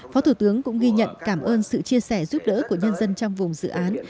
phó thủ tướng cũng ghi nhận cảm ơn sự chia sẻ giúp đỡ của nhân dân trong vùng dự án